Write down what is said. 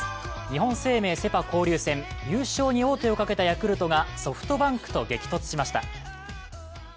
日本生命セ・パ交流戦、優勝に王手をかけたヤクルトがソフトバンクと激突しました。